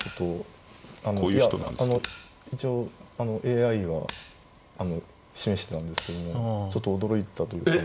一応ＡＩは示してたんですけどもちょっと驚いたというか。